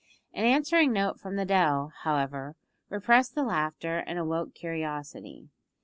An answering note from the dell, however, repressed the laughter and awoke curiosity.